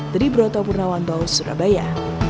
dari broto purnawantau surabaya